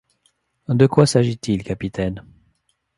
De quoi s’agit-il, capitaine ?